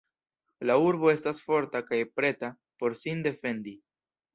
La urbo estas forta kaj preta por sin defendi.